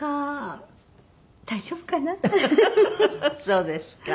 そうですか。